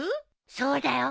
そうだよ。